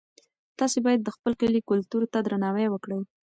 تاسي باید د خپل کلي کلتور ته درناوی وکړئ.